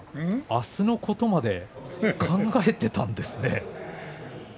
明日のことまで考えていたんですね。